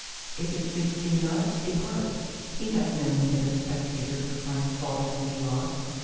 —If it suits thee not, depart! He hath no need of a spectator who finds fault with his lot!